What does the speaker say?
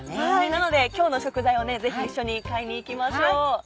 なので今日の食材をぜひ一緒に買いに行きましょう。